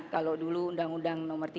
kalau dulu undang undang nomor tiga puluh tiga